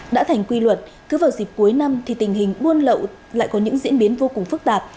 đã thành quy luật cứ vào dịp cuối năm thì tình hình buôn lậu lại có những diễn biến vô cùng phức tạp